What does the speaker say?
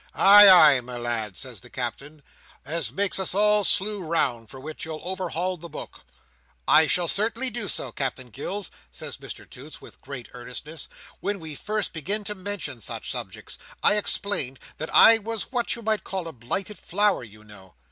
"Ay, ay, my lad," says the Captain, "as makes us all slue round—for which you'll overhaul the book—" "I shall certainly do so, Captain Gills," says Mr Toots, with great earnestness; "when we first began to mention such subjects, I explained that I was what you may call a Blighted Flower, you know."